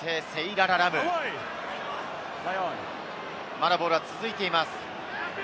まだボールは続いています。